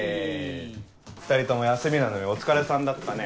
２人とも休みなのにお疲れさんだったね。